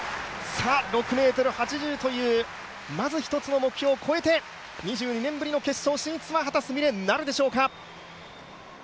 ６ｍ８０というまず１つの目標を超えて２２年ぶりの決勝進出は秦澄美鈴、なるでしょうか？